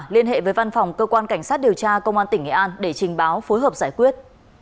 liên hệ với văn phòng cơ quan cảnh sát điều tra công an tỉnh nghệ an để trình báo phối hợp giải quyết